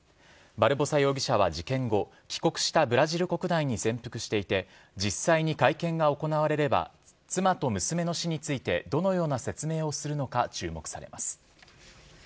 バルボサ容疑者は事件後帰国したブラジル国内に潜伏していて実際に会見が行われれば妻と娘の死についてどのような説明をするのか注目されます。